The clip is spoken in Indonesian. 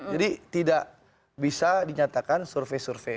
jadi tidak bisa dinyatakan survei survei